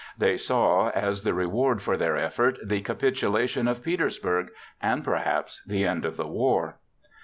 They saw as the reward for their effort the capitulation of Petersburg and, perhaps, the end of the war.